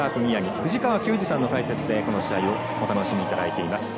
藤川球児さんの解説でこの試合お楽しみいただいています。